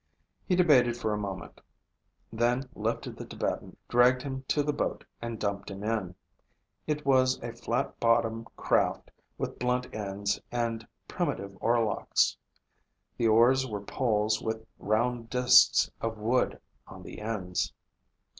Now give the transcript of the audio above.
He debated for a moment, then lifted the Tibetan, dragged him to the boat and dumped him in. It was a flat bottomed craft with blunt ends and primitive oar locks. The oars were poles with round disks of wood on the ends.